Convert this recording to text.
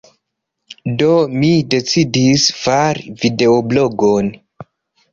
Do mi decidis fari videoblogon.